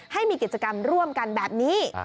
ให้มีกิจกรรมร่วมกันแบบนี้